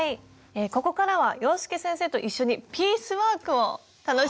ここからは洋輔先生と一緒にピースワークを楽しみたいと思います。